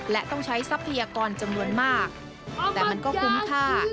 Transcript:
และต้องใช้ทรัพยากรจำนวนมากแต่มันก็คุ้มค่า